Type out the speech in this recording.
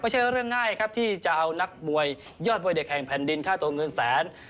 ไม่ใช่เรื่องง่ายครับที่จะเอานักมวยยอดมวยเด็กแห่งแผ่นดินค่าตัวเงินแสน